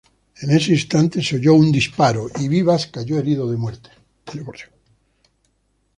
En ese instante se oyó un disparo y Vivas cayó herido de muerte.